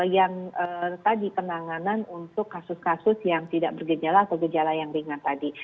yang tadi penanganan untuk kasus kasus yang tidak bergejala atau gejala yang ringan tadi